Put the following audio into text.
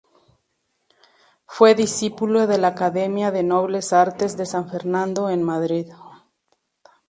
Fue discípulo de la Academia de Nobles Artes de San Fernando, en Madrid.